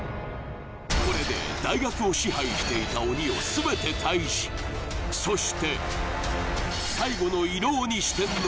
これで大学を支配していた鬼を全て退治そして最後の色鬼四天王